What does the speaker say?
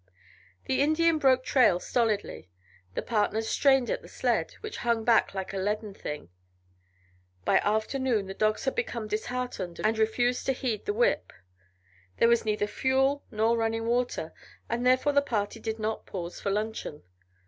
The Indian broke trail stolidly; the partners strained at the sled, which hung back like a leaden thing. By afternoon the dogs had become disheartened and refused to heed the whip. There was neither fuel nor running water, and therefore the party did not pause for luncheon.